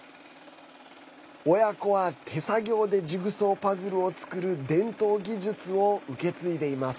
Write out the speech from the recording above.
親子は手作業でジグソーパズルを作る伝統技術を受け継いでいます。